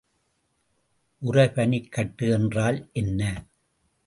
உறைபனிக்கட்டு என்றால் என்ன?